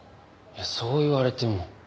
そう言われても。